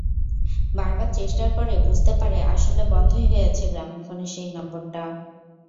বারবার চেষ্টার পরে বুঝতে পারে, আসলে বন্ধই হয়ে আছে গ্রামীণফোনের সেই নম্বরটা।